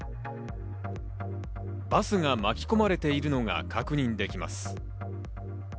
バスが巻き込まれているのが確認できます。